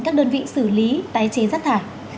các đơn vị xử lý tái chế rắc thải